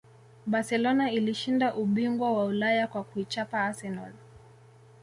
barcelona ilishinda ubingwa wa ulaya kwa kuichapa arsenal